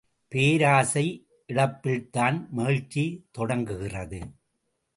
பேராசை இழப்பில்தான், மகிழ்ச்சி தொடங்குகிறது.